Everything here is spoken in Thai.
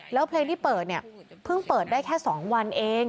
แล้วเพลงที่เปิดเพิ่งเปิดได้แค่สองวันเอง